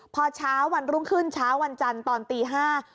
พอเช้าวันรุ่งขึ้นเช้าวันจันทร์ตอนตีห้า